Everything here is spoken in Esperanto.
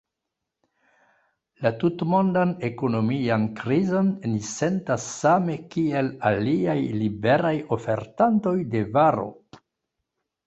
La tutmondan ekonomian krizon ni sentas same kiel aliaj liberaj ofertantoj de varo.